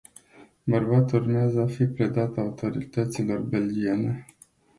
Bărbatul urmează a fi predat autorităților belgiene.